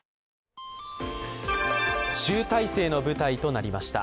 集大成の舞台となりました。